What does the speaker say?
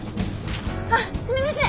あっすみません！